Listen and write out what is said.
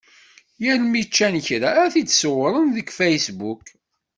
Yal mi ččan kra, ad t-id-ṣewwren deg Facebook.